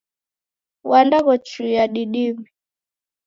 Wandaghochua didiw'i.